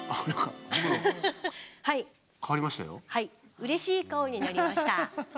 うれしい顔になりました。